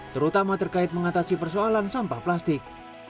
terutama terkait mengatasi persoalan sampah plastik